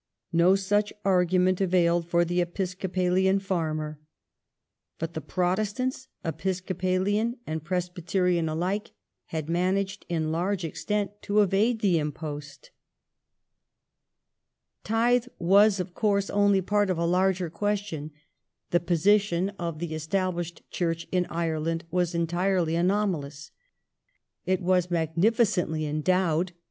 No such argument availed for the Episcopalian farmer. But the Protestants, Episcopalian and Presbyterian alike, had managed in large measure to evade the impost. 1837] THE ESTABLISHED CHURCH IN IRELAND 111 " Tithe " was, of course, only part of a larger question. The The Es position of the Established Church in Ireland was entirely anomal churdfln ous. It was magnificently endowed.